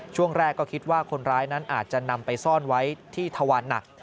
ช่วงแรกก็คิดว่าคนร้ายนั้นอาจจะนำไปซ่อนไว้ที่ทวารหนัก